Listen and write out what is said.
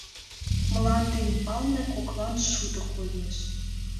Мланде ӱмбалне коклан шудо коеш.